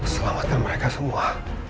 selamatkan mereka semua